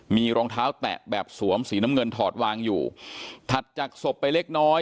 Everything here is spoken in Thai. มีรองเท้าแตะแบบสวมสีน้ำเงินถอดวางอยู่ถัดจากศพไปเล็กน้อย